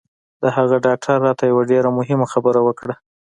د هغه ډاکتر راته یوه ډېره مهمه خبره وکړه